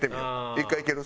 １回いける？